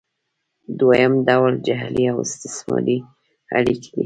دویم ډول جعلي او استثماري اړیکې دي.